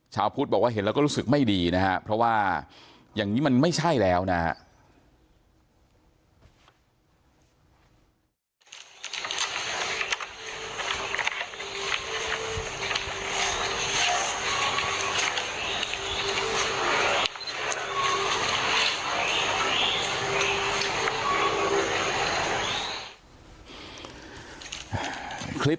ชาวพุทธบอกว่าเห็นแล้วก็รู้สึกไม่ดีนะครับเพราะว่าอย่างนี้มันไม่ใช่แล้วนะครับ